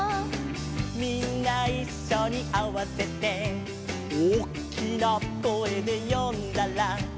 「みんないっしょにあわせて」「おっきな声で呼んだら」